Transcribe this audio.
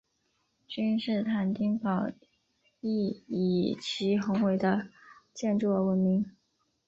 君士坦丁堡亦以其宏伟的建筑而闻名。